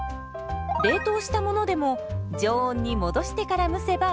冷凍したものでも常温に戻してから蒸せばＯＫ。